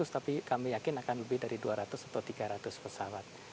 tapi kami yakin akan lebih dari dua ratus atau tiga ratus pesawat